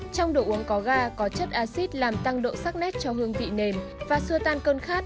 trong đồ uống có ga có chất acid làm tăng độ sắc nét cho hương vị nền và xua tan cơn khát